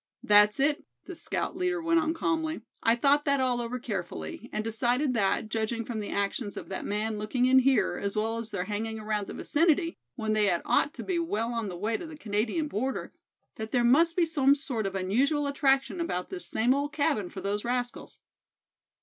"That's it," the scout leader went on, calmly. "I thought that all over carefully, and decided that, judging from the actions of that man in looking in here, as well as their hanging around the vicinity when they had ought to be well on the way to the Canadian border, that there must be some sort of unusual attraction about this same old cabin for those rascals!"